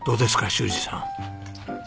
修二さん。